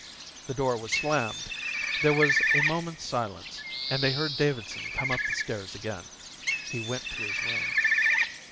The door was slammed. There was a moment's silence and they heard Davidson come up the stairs again. He went to his room.